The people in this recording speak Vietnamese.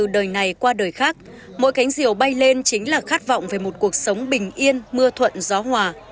đời này qua đời khác mỗi cánh diều bay lên chính là khát vọng về một cuộc sống bình yên mưa thuận gió hòa